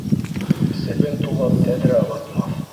Себен тулап, тәҙрә ватмаҫ;